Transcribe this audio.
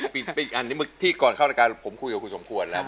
ก็นี่ก็เป็นอีกอันที่มึกที่ก่อนเข้าในการผมคุยกับคุณสมควรแล้วครับ